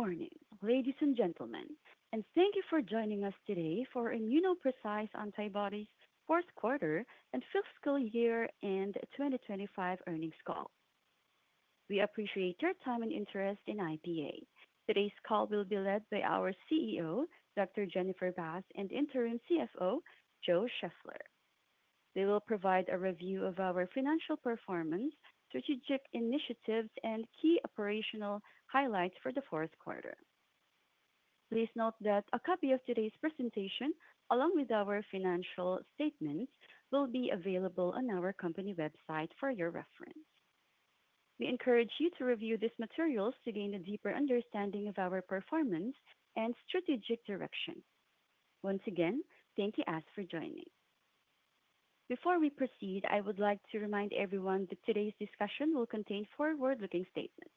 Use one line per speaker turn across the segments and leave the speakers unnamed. Good morning, ladies and gentlemen, and thank you for joining us today for our ImmunoPrecise Antibodies fourth quarter and fiscal year end 2025 earnings call. We appreciate your time and interest in IPA. Today's call will be led by our CEO, Dr. Jennifer Bath, and Interim CFO, Joe Scheffler. They will provide a review of our financial performance, strategic initiatives, and key operational highlights for the fourth quarter. Please note that a copy of today's presentation, along with our financial statements, will be available on our company website for your reference. We encourage you to review these materials to gain a deeper understanding of our performance and strategic direction. Once again, thank you for joining. Before we proceed, I would like to remind everyone that today's discussion will contain forward-looking statements.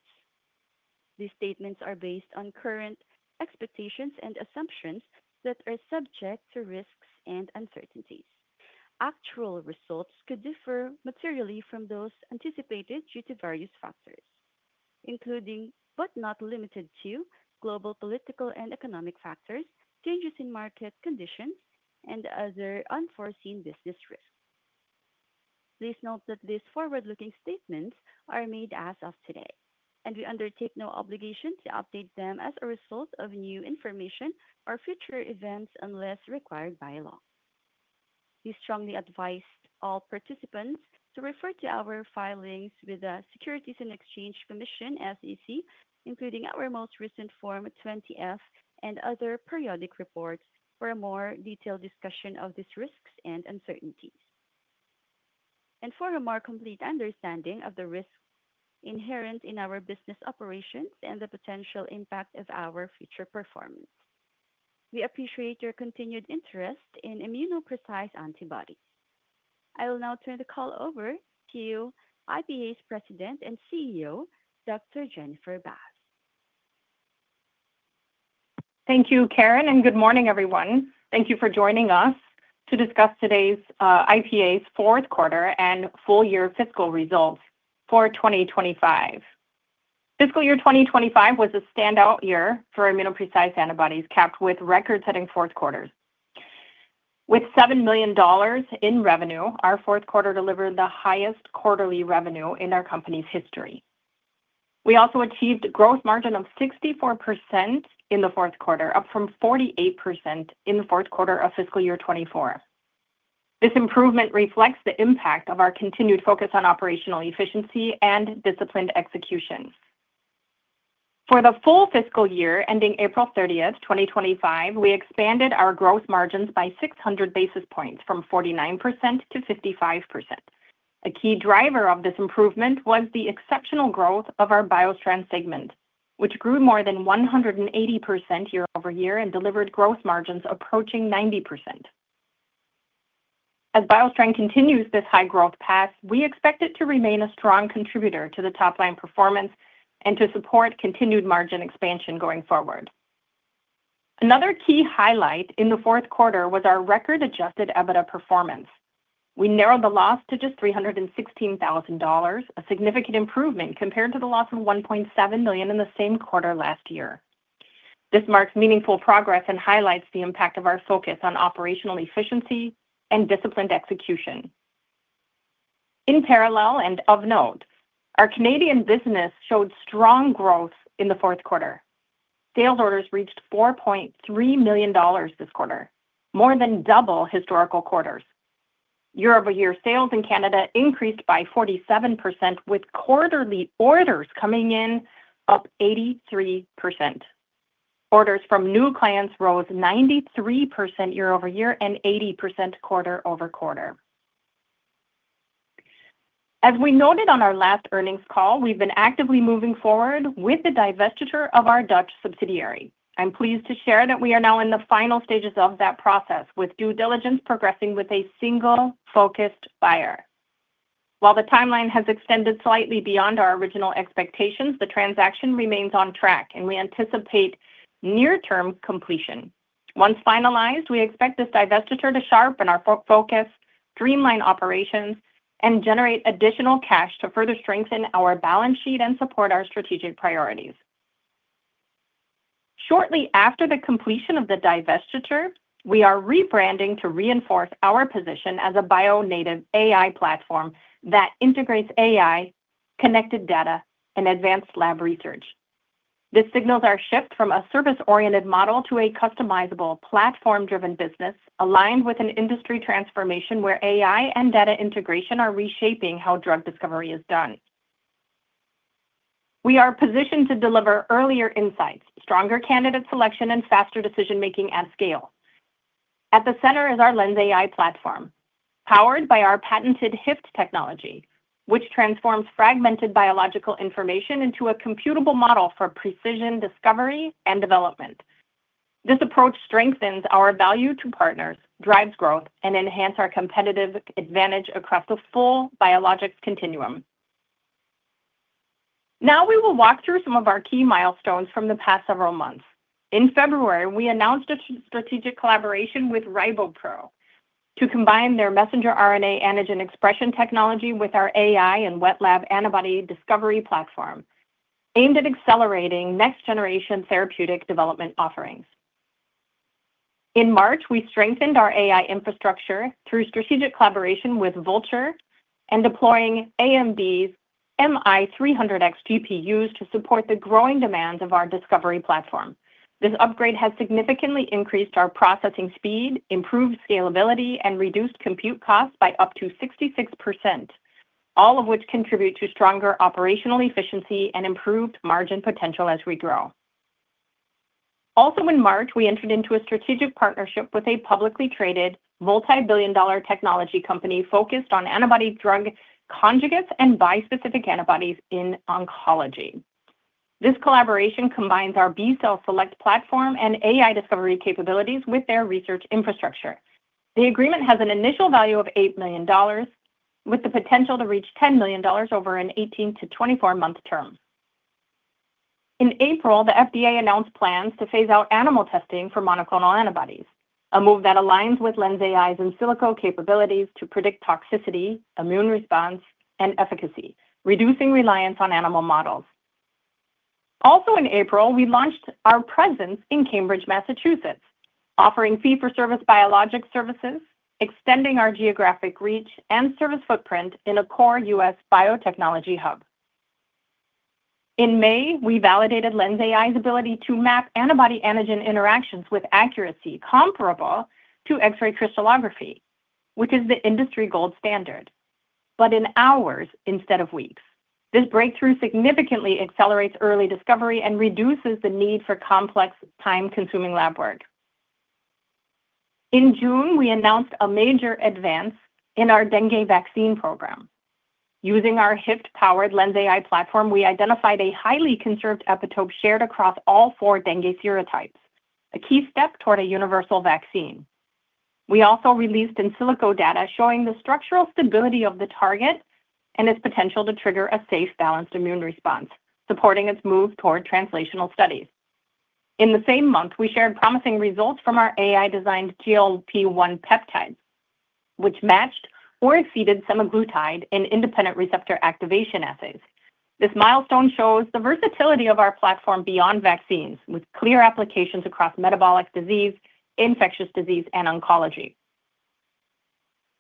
These statements are based on current expectations and assumptions that are subject to risks and uncertainties. Actual results could differ materially from those anticipated due to various factors, including but not limited to global political and economic factors, changes in market conditions, and other unforeseen business risks. Please note that these forward-looking statements are made as of today, and we undertake no obligation to update them as a result of new information or future events unless required by law. We strongly advise all participants to refer to our filings with the Securities and Exchange Commission, SEC, including our most recent Form 20-F and other periodic reports for a more detailed discussion of these risks and uncertainties, and for a more complete understanding of the risks inherent in our business operations and the potential impact of our future performance. We appreciate your continued interest in ImmunoPrecise Antibodies. I will now turn the call over to IPA's President and CEO, Dr. Jennifer Bath.
Thank you, Karen, and good morning, everyone. Thank you for joining us to discuss today's IPA's fourth quarter and full-year fiscal results for 2025. Fiscal year 2025 was a standout year for ImmunoPrecise Antibodies capped with record-setting fourth quarters. With 7 million dollars in revenue, our fourth quarter delivered the highest quarterly revenue in our company's history. We also achieved a gross margin of 64% in the fourth quarter, up from 48% in the fourth quarter of fiscal year 2024. This improvement reflects the impact of our continued focus on operational efficiency and disciplined execution. For the full fiscal year ending April 30th, 2025, we expanded our gross margins by 600 basis points, from 49%-55%. A key driver of this improvement was the exceptional growth of our BioStrand segment, which grew more than 180% year-over-year and delivered gross margins approaching 90%. As BioStrand continues this high growth path, we expect it to remain a strong contributor to the top-line performance and to support continued margin expansion going forward. Another key highlight in the fourth quarter was our record adjusted EBITDA performance. We narrowed the loss to just 316,000 dollars, a significant improvement compared to the loss of 1.7 million in the same quarter last year. This marks meaningful progress and highlights the impact of our focus on operational efficiency and disciplined execution. In parallel and of note, our Canadian business showed strong growth in the fourth quarter. Sales orders reached 4.3 million dollars this quarter, more than double historical quarters. Year-over-year sales in Canada increased by 47%, with quarterly orders coming in up 83%. Orders from new clients rose 93% year-over-year and 80% quarter-over-quarter. As we noted on our last earnings call, we've been actively moving forward with the divestiture of our Dutch subsidiary. I'm pleased to share that we are now in the final stages of that process, with due diligence progressing with a single focused buyer. While the timeline has extended slightly beyond our original expectations, the transaction remains on track, and we anticipate near-term completion. Once finalized, we expect this divestiture to sharpen our focus, streamline operations, and generate additional cash to further strengthen our balance sheet and support our strategic priorities. Shortly after the completion of the divestiture, we are rebranding to reinforce our position as a bio-native AI platform that integrates AI, connected data, and advanced lab research. This signals our sHYFT from a service-oriented model to a customizable, platform-driven business, aligned with an industry transformation where AI and data integration are reshaping how drug discovery is done. We are positioned to deliver earlier insights, stronger candidate selection, and faster decision-making at scale. At the center is our LENSai platform, powered by our patented HYFT technology, which transforms fragmented biological information into a computable model for precision discovery and development. This approach strengthens our value to partners, drives growth, and enhances our competitive advantage across the full biologics continuum. Now, we will walk through some of our key milestones from the past several months. In February, we announced a strategic collaboration with RIBOPRO to combine their mRNA antigen expression technology with our AI and wet lab antibody discovery platform, aimed at accelerating next-generation therapeutic development offerings. In March, we strengthened our AI infrastructure through strategic collaboration with Vultr, and deploying AMD's MI300X GPUs to support the growing demands of our discovery platform. This upgrade has significantly increased our processing speed, improved scalability, and reduced compute costs by up to 66%, all of which contribute to stronger operational efficiency and improved margin potential as we grow. Also, in March, we entered into a strategic partnership with a publicly traded multi-billion dollar technology company focused on antibody drug conjugates and bispecific antibodies in oncology. This collaboration combines our B Cell Select platform and AI discovery capabilities with their research infrastructure. The agreement has an initial value of 8 million dollars, with the potential to reach 10 million dollars over an 18 to 24-month term. In April, the FDA announced plans to phase out animal testing for monoclonal antibodies, a move that aligns with LENSai's in silico capabilities to predict toxicity, immune response, and efficacy, reducing reliance on animal models. Also, in April, we launched our presence in Cambridge, Massachusetts, offering fee-for-service biologics services, extending our geographic reach and service footprint in a core U.S. biotechnology hub. In May, we validated LENSai's ability to map antibody-antigen interactions with accuracy comparable to X-ray crystallography, which is the industry gold standard, but in hours instead of weeks. This breakthrough significantly accelerates early discovery and reduces the need for complex, time-consuming lab work. In June, we announced a major advance in our dengue vaccine program. Using our HYFT-powered LENSai platform, we identified a highly conserved epitope shared across all four dengue serotypes, a key step toward a universal vaccine. We also released in silico data showing the structural stability of the target and its potential to trigger a safe, balanced immune response, supporting its move toward translational studies. In the same month, we shared promising results from our AI-designed GLP-1 peptide, which matched or exceeded semaglutide in independent receptor activation assays. This milestone shows the versatility of our platform beyond vaccines, with clear applications across metabolic disease, infectious disease, and oncology.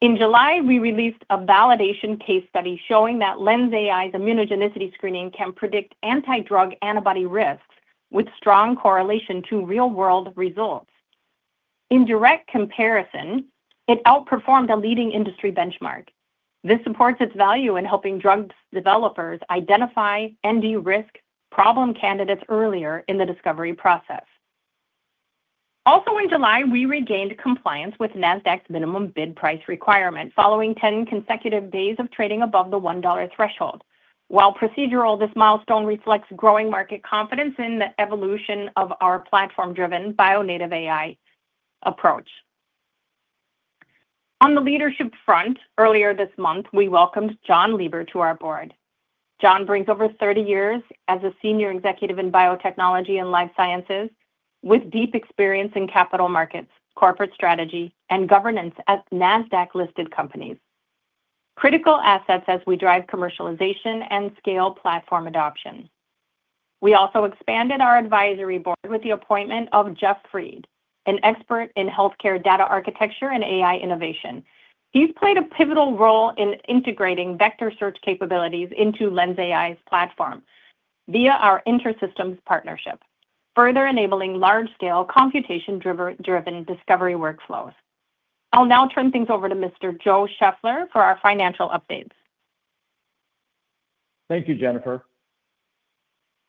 In July, we released a validation case study showing that LENSai's immunogenicity screening can predict anti-drug antibody risks with strong correlation to real-world results. In direct comparison, it outperformed a leading industry benchmark. This supports its value in helping drug developers identify ND risk problem candidates earlier in the discovery process. Also, in July, we regained compliance with NASDAQ's minimum bid price requirement following 10 consecutive days of trading above the 1 dollar threshold. While procedural, this milestone reflects growing market confidence in the evolution of our platform-driven bio-native AI approach. On the leadership front, earlier this month, we welcomed Jon Lieber to our board. John brings over 30 years as a Senior Executive in biotechnology and life sciences, with deep experience in capital markets, corporate strategy, and governance at NASDAQ-listed companies, critical assets as we drive commercialization and scale platform adoption. We also expanded our advisory board with the appointment of Jeff Fried, an expert in healthcare data architecture and AI innovation. He's played a pivotal role in integrating vector search capabilities into LENSai's platform via our InterSystems partnership, further enabling large-scale computation-driven discovery workflows. I'll now turn things over to Mr. Joe Scheffler for our financial updates.
Thank you, Jennifer.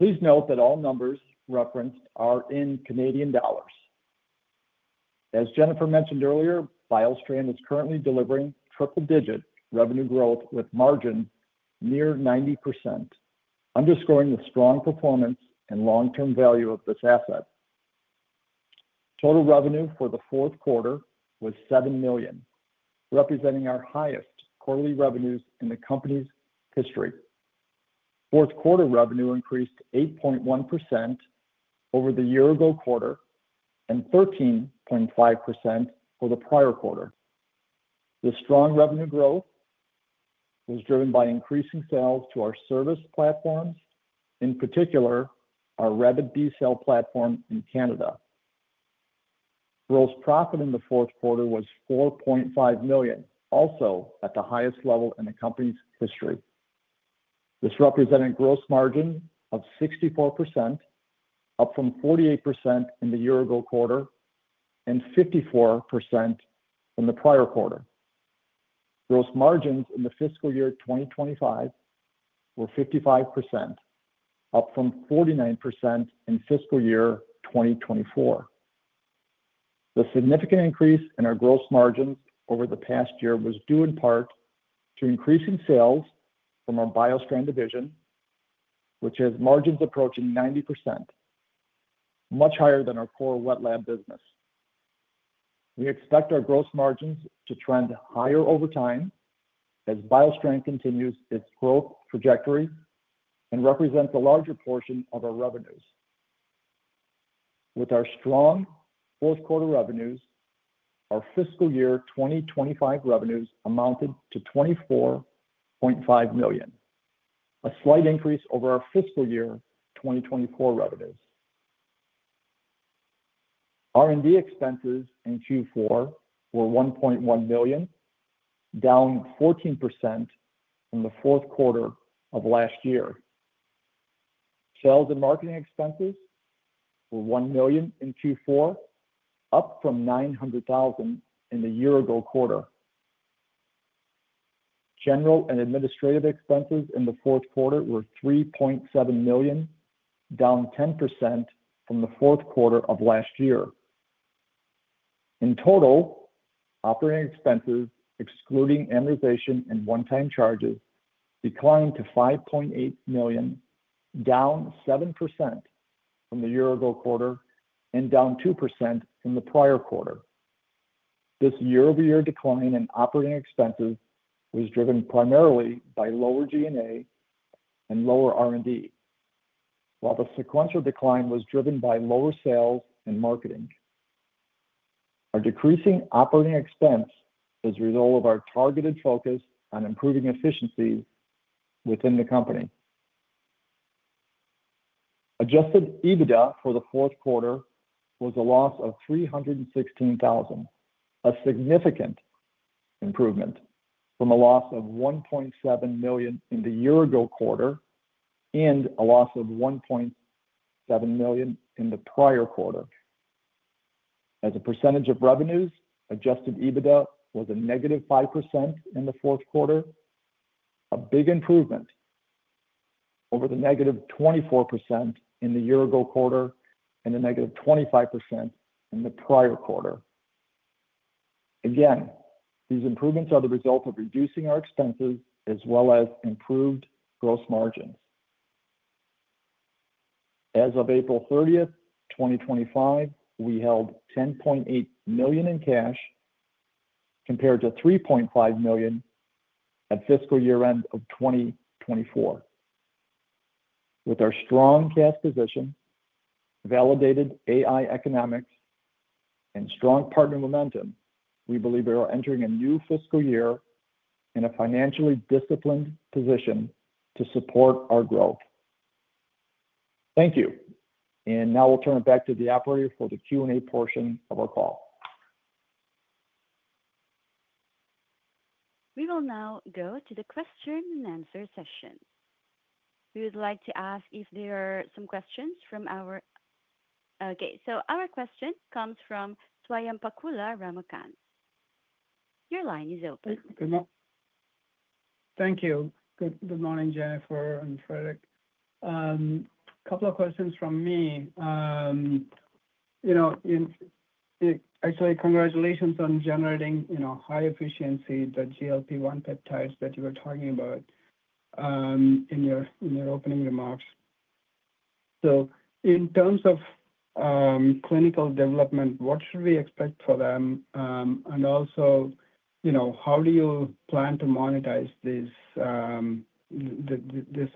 Please note that all numbers referenced are in Canadian dollars. As Jennifer mentioned earlier, BioStrand is currently delivering triple-digit revenue growth with margin near 90%, underscoring the strong performance and long-term value of this asset. Total revenue for the fourth quarter was 7 million, representing our highest quarterly revenues in the company's history. Fourth quarter revenue increased 8.1% over the year-ago quarter and 13.5% over the prior quarter. This strong revenue growth was driven by increasing sales to our service platforms, in particular our B Cell platform in Canada. Gross profit in the fourth quarter was 4.5 million, also at the highest level in the company's history. This represented a gross margin of 64%, up from 48% in the year-ago quarter and 54% in the prior quarter. Gross margins in the fiscal year 2025 were 55%, up from 49% in fiscal year 2024. The significant increase in our gross margins over the past year was due in part to increasing sales from our BioStrand division, which has margins approaching 90%, much higher than our core wet lab business. We expect our gross margins to trend higher over time as BioStrand continues its growth trajectory and represents a larger portion of our revenues. With our strong fourth quarter revenues, our fiscal year 2025 revenues amounted to 24.5 million, a slight increase over our fiscal year 2024 revenues. R&D expenses in Q4 were 1.1 million, down 14% from the fourth quarter of last year. Sales and marketing expenses were 1 million in Q4, up from 900,000 in the year-ago quarter. General and administrative expenses in the fourth quarter were 3.7 million, down 10% from the fourth quarter of last year. In total, operating expenses, excluding amortization and one-time charges, declined to 5.8 million, down 7% from the year-ago quarter and down 2% from the prior quarter. This year-over-year decline in operating expenses was driven primarily by lower G&A and lower R&D, while the sequential decline was driven by lower sales and marketing. Our decreasing operating expense is a result of our targeted focus on improving efficiency within the company. Adjusted EBITDA for the fourth quarter was a loss of 316,000, a significant improvement from a loss of 1.7 million in the year-ago quarter and a loss of 1.7 million in the prior quarter. As a percentage of revenues, adjusted EBITDA was a -5% in the fourth quarter, a big improvement over the -24% in the year-ago quarter and the -25% in the prior quarter. These improvements are the result of reducing our expenses as well as improved gross margins. As of April 30th, 2025, we held 10.8 million in cash compared to 3.5 million at fiscal year-end of 2024. With our strong cash position, validated AI economics, and strong partner momentum, we believe we are entering a new fiscal year in a financially disciplined position to support our growth. Thank you. Now we'll turn it back to the operator for the Q&A portion of our call.
We will now go to the question and answer session. We would like to ask if there are some questions from our... Okay, so our question comes from Swayampakula Ramakanth. Your line is open.
Thank you. Good morning, Jennifer and Frederick. A couple of questions from me. Congratulations on generating high efficiency, the GLP-1 peptides that you were talking about in your opening remarks. In terms of clinical development, what should we expect for them? Also, how do you plan to monetize this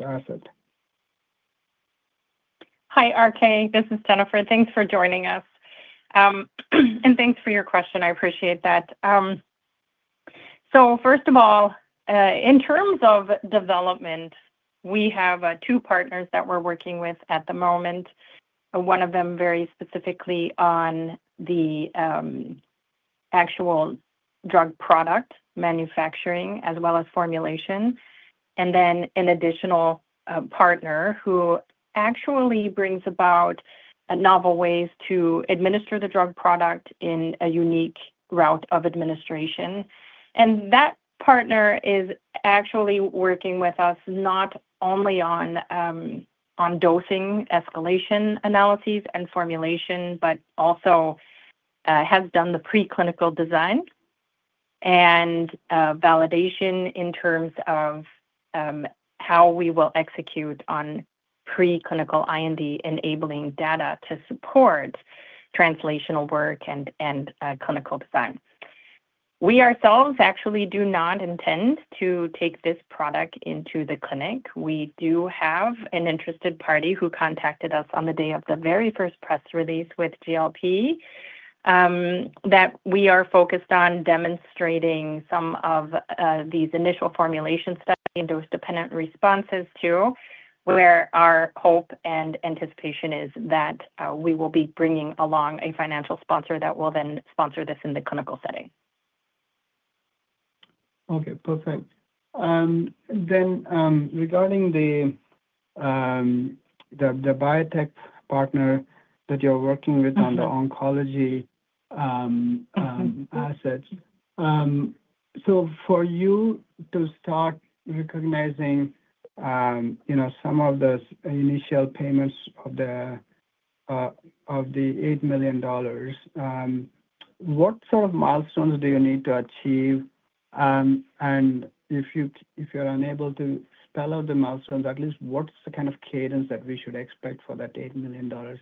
asset?
Hi, RK. This is Jennifer. Thanks for joining us, and thanks for your question. I appreciate that. First of all, in terms of development, we have two partners that we're working with at the moment, one of them very specifically on the actual drug product manufacturing as well as formulation, and an additional partner who actually brings about novel ways to administer the drug product in a unique route of administration. That partner is actually working with us not only on dosing escalation analyses and formulation, but also has done the preclinical design and validation in terms of how we will execute on preclinical IND-enabling data to support translational work and clinical design. We ourselves actually do not intend to take this product into the clinic. We do have an interested party who contacted us on the day of the very first press release with GLP that we are focused on demonstrating some of these initial formulation studies and dose-dependent responses to, where our hope and anticipation is that we will be bringing along a financial sponsor that will then sponsor this in the clinical setting.
Okay, perfect. Regarding the biotech partner that you're working with on the oncology assets, for you to start recognizing some of those initial payments of the 8 million dollars, what sort of milestones do you need to achieve? If you're unable to spell out the milestones, at least what's the kind of cadence that we should expect for that 8 million dollars?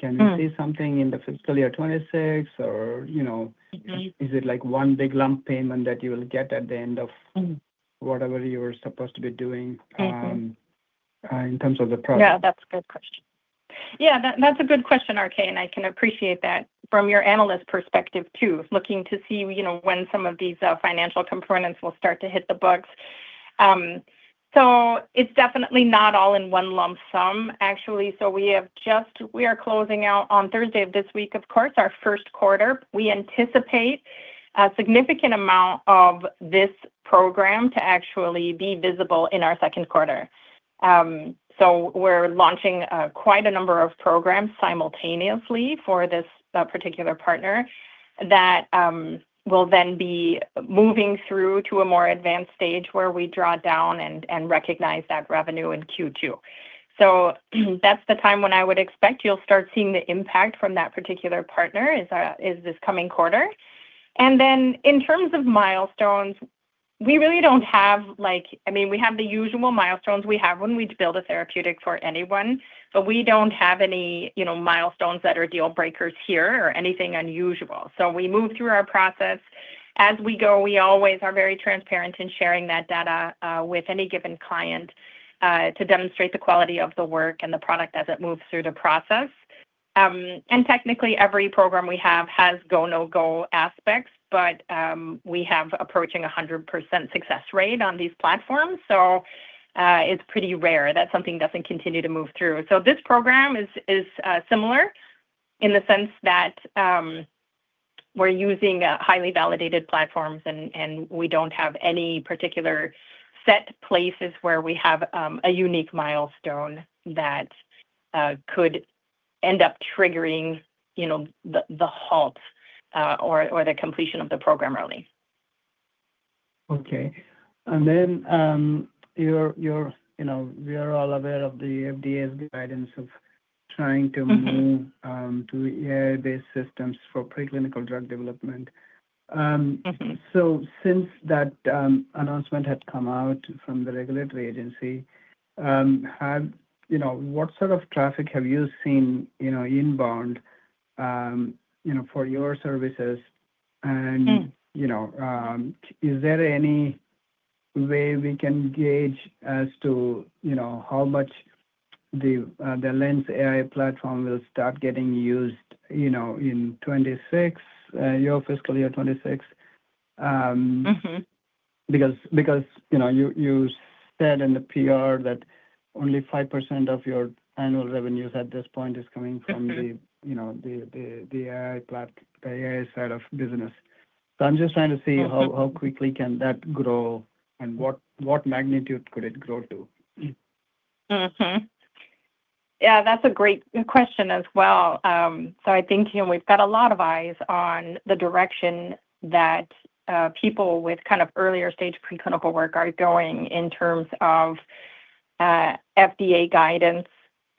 Can we see something in the fiscal year 2026, or is it like one big lump payment that you will get at the end of whatever you were supposed to be doing in terms of the product?
Yeah, that's a good question, RK, and I can appreciate that from your analyst perspective too, looking to see, you know, when some of these financial components will start to hit the books. It's definitely not all in one lump sum, actually. We are closing out on Thursday of this week, of course, our first quarter. We anticipate a significant amount of this program to actually be visible in our second quarter. We're launching quite a number of programs simultaneously for this particular partner that will then be moving through to a more advanced stage where we draw down and recognize that revenue in Q2. That's the time when I would expect you'll start seeing the impact from that particular partner is this coming quarter. In terms of milestones, we really don't have, like, I mean, we have the usual milestones we have when we build a therapeutic for anyone, but we don't have any, you know, milestones that are deal breakers here or anything unusual. We move through our process. As we go, we always are very transparent in sharing that data with any given client to demonstrate the quality of the work and the product as it moves through the process. Technically, every program we have has go-no-go aspects, but we have approaching a 100% success rate on these platforms. It's pretty rare that something doesn't continue to move through. This program is similar in the sense that we're using highly validated platforms, and we don't have any particular set places where we have a unique milestone that could end up triggering, you know, the halt or the completion of the program early.
Okay. We are all aware of the FDA's guidance of trying to move to AI-based systems for preclinical drug development. Since that announcement had come out from the regulatory agency, what sort of traffic have you seen inbound for your services? Is there any way we can gauge as to how much the LENSai platform will start getting used in 2026, your fiscal year 2026? You said in the PR that only 5% of your annual revenues at this point is coming from the AI side of business. I'm just trying to see how quickly can that grow and what magnitude could it grow to?
Yeah, that's a great question as well. I think we've got a lot of eyes on the direction that people with kind of earlier stage preclinical work are going in terms of FDA guidance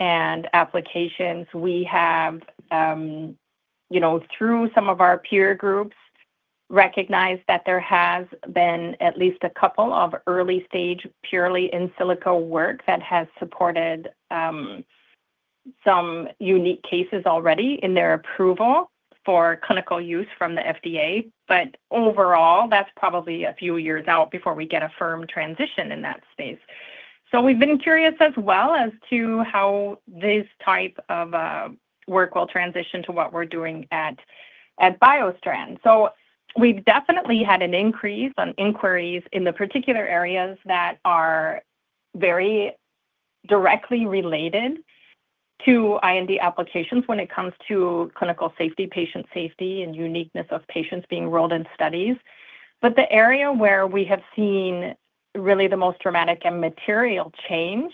and applications. We have, through some of our peer groups, recognized that there has been at least a couple of early stage purely in silico work that has supported some unique cases already in their approval for clinical use from the FDA. Overall, that's probably a few years out before we get a firm transition in that space. We've been curious as well as to how this type of work will transition to what we're doing at BioStrand. We've definitely had an increase on inquiries in the particular areas that are very directly related to IND applications when it comes to clinical safety, patient safety, and uniqueness of patients being enrolled in studies. The area where we have seen really the most dramatic and material change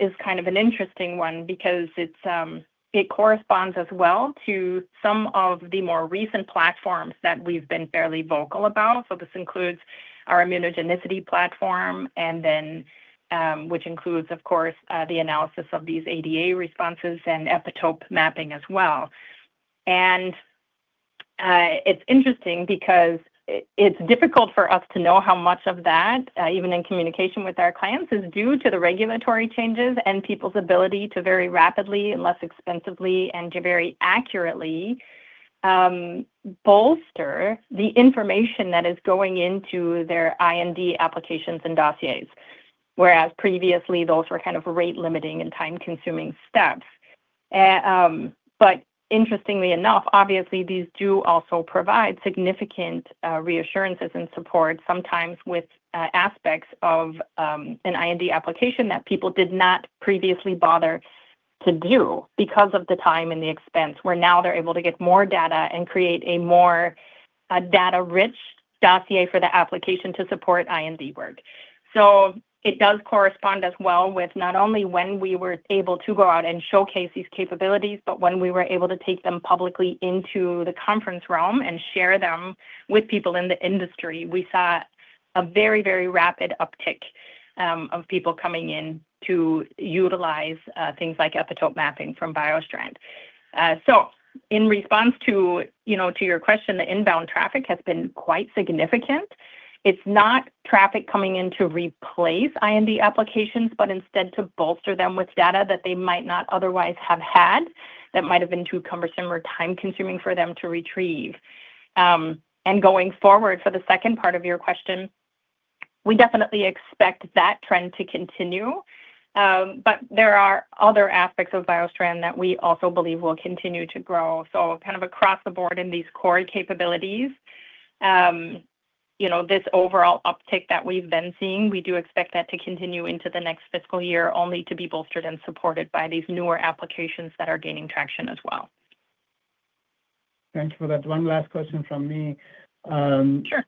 is kind of an interesting one because it corresponds as well to some of the more recent platforms that we've been fairly vocal about. This includes our immunogenicity platform, which includes, of course, the analysis of these ADA responses and epitope mapping as well. It's interesting because it's difficult for us to know how much of that, even in communication with our clients, is due to the regulatory changes and people's ability to very rapidly and less expensively and very accurately bolster the information that is going into their IND applications and dossiers, whereas previously those were kind of rate-limiting and time-consuming steps. Interestingly enough, obviously, these do also provide significant reassurances and support sometimes with aspects of an IND application that people did not previously bother to do because of the time and the expense, where now they're able to get more data and create a more data-rich dossier for the application to support IND work. It does correspond as well with not only when we were able to go out and showcase these capabilities, but when we were able to take them publicly into the conference realm and share them with people in the industry, we saw a very, very rapid uptick of people coming in to utilize things like epitope mapping from BioStrand. In response to your question, the inbound traffic has been quite significant. It's not traffic coming in to replace IND applications, but instead to bolster them with data that they might not otherwise have had, that might have been too cumbersome or time-consuming for them to retrieve. Going forward for the second part of your question, we definitely expect that trend to continue. There are other aspects of BioStrand that we also believe will continue to grow. Kind of across the board in these core capabilities, you know, this overall uptick that we've been seeing, we do expect that to continue into the next fiscal year, only to be bolstered and supported by these newer applications that are gaining traction as well.
Thank you for that. One last question from me. Just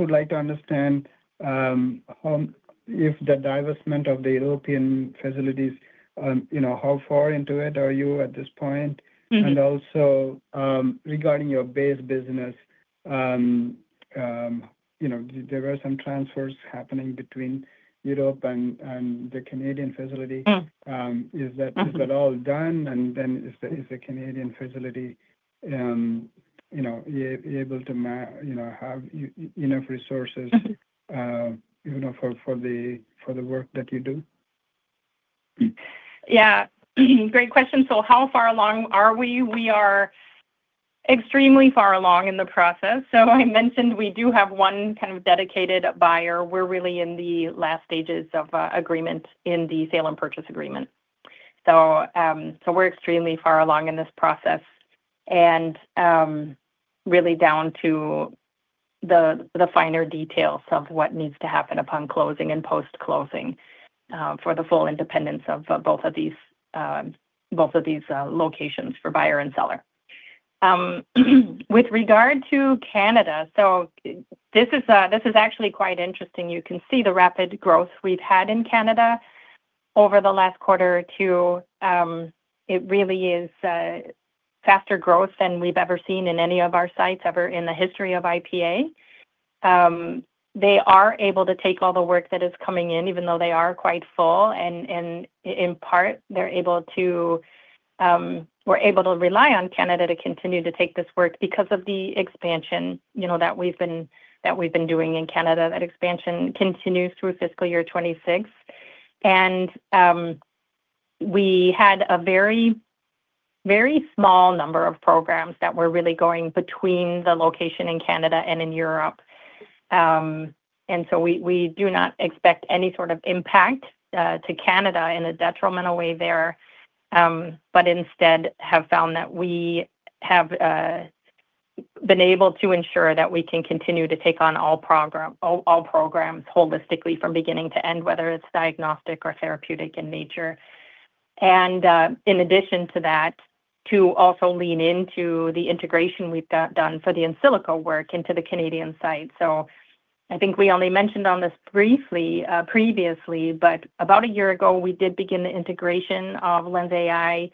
would like to understand if the divestment of the European facilities, you know, how far into it are you at this point? Also, regarding your base business, you know, there were some transfers happening between Europe and the Canadian facility. Is that all done? Is the Canadian facility, you know, able to, you know, have enough resources, you know, for the work that you do?
Yeah, great question. How far along are we? We are extremely far along in the process. I mentioned we do have one kind of dedicated buyer. We're really in the last stages of agreement in the sale and purchase agreement. We're extremely far along in this process and really down to the finer details of what needs to happen upon closing and post-closing for the full independence of both of these locations for buyer and seller. With regard to Canada, this is actually quite interesting. You can see the rapid growth we've had in Canada over the last quarter or two. It really is faster growth than we've ever seen in any of our sites ever in the history of IPA. They are able to take all the work that is coming in, even though they are quite full. In part, we're able to rely on Canada to continue to take this work because of the expansion that we've been doing in Canada. That expansion continues through fiscal year 2026. We had a very, very small number of programs that were really going between the location in Canada and in Europe. We do not expect any sort of impact to Canada in a detrimental way there, but instead have found that we have been able to ensure that we can continue to take on all programs holistically from beginning to end, whether it's diagnostic or therapeutic in nature. In addition to that, we also lean into the integration we've done for the in silico work into the Canadian site. I think we only mentioned this briefly previously, but about a year ago, we did begin the integration of LENSai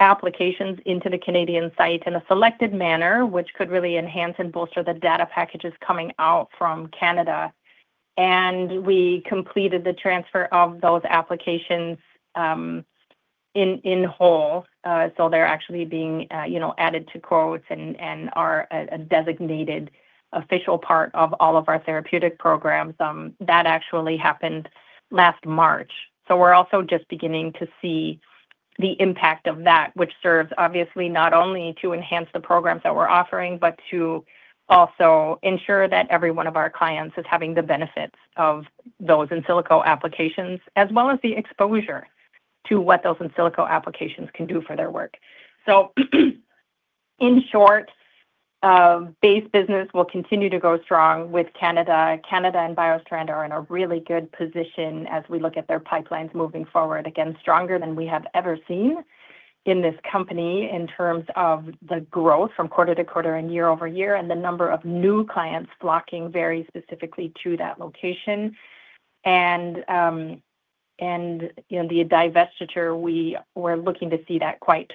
applications into the Canadian site in a selected manner, which could really enhance and bolster the data packages coming out from Canada. We completed the transfer of those applications in whole. They're actually being added to quotes and are a designated official part of all of our therapeutic programs. That actually happened last March. We're also just beginning to see the impact of that, which serves obviously not only to enhance the programs that we're offering, but to also ensure that every one of our clients is having the benefits of those in silico applications, as well as the exposure to what those in silico applications can do for their work. In short, base business will continue to go strong with Canada. Canada and BioStrand are in a really good position as we look at their pipelines moving forward, again, stronger than we have ever seen in this company in terms of the growth from quarter to quarter and year over year, and the number of new clients flocking very specifically to that location. The divestiture, we're looking to see that quite,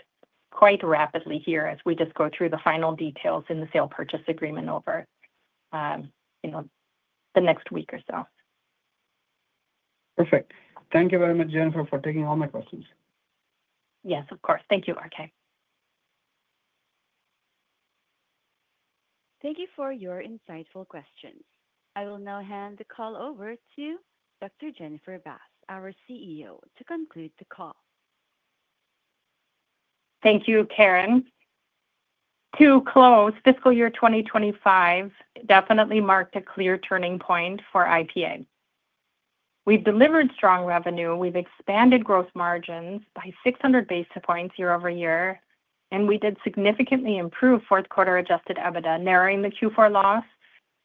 quite rapidly here as we just go through the final details in the sale-purchase agreement over the next week or so.
Perfect. Thank you very much, Jennifer, for taking all my questions.
Yes, of course. Thank you, RK.
Thank you for your insightful questions. I will now hand the call over to Dr. Jennifer Bath, our CEO, to conclude the call.
Thank you, Karen. To close, fiscal year 2025 definitely marked a clear turning point for IPA. We've delivered strong revenue. We've expanded gross margins by 600 basis points year over year, and we did significantly improve fourth quarter adjusted EBITDA, narrowing the Q4 loss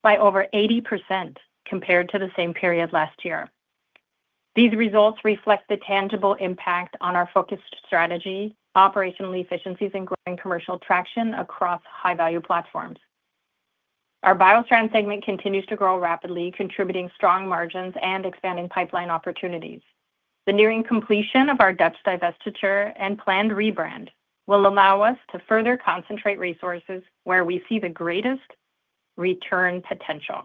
by over 80% compared to the same period last year. These results reflect the tangible impact on our focused strategy, operational efficiencies, and commercial traction across high-value platforms. Our BioStrand segment continues to grow rapidly, contributing strong margins and expanding pipeline opportunities. The nearing completion of our Dutch subsidiary divestiture and planned rebrand will allow us to further concentrate resources where we see the greatest return potential.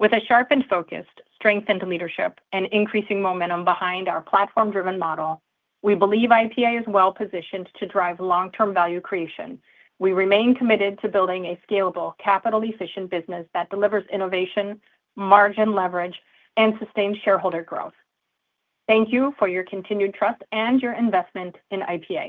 With a sharpened focus, strengthened leadership, and increasing momentum behind our platform-driven model, we believe IPA is well positioned to drive long-term value creation. We remain committed to building a scalable, capital-efficient business that delivers innovation, margin leverage, and sustained shareholder growth. Thank you for your continued trust and your investment in IPA.